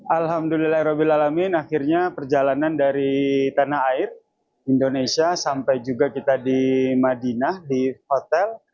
alhamdulillah rabil alamin akhirnya perjalanan dari tanah air indonesia sampai juga kita di madinah di hotel